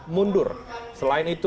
mundur selain itu